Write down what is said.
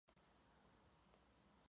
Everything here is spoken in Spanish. El evento se realiza de manera bienal.